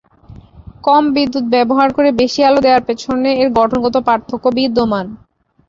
কম বিদ্যুৎ ব্যবহার করে বেশি আলো দেয়ার পেছনে এর গঠনগত পার্থক্য বিদ্যমান।